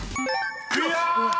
［クリア！］